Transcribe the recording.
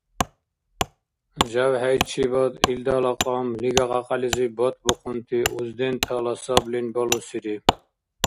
ЖявхӀейчибад илдала кьам лига-кьякьялизиб батбухъунти уздентала саблин балусири.